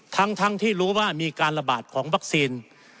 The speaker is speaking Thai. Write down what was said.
ทั้งที่รู้ว่ามีการระบาดของวัคซีน